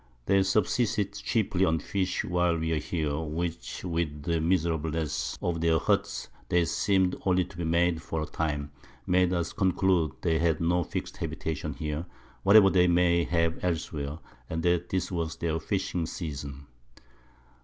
They subsisted chiefly on Fish while we were here, which with the Miserableness of their Huts, that seem'd only to be made for a time, made us conclude they had no fix'd Habitation here, whatever they may have elsewhere, and that this was their Fishing Season.